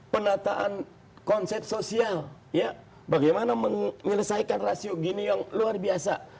penataan konsep sosial ya bagaimana menyelesaikan rasio gini yang luar biasa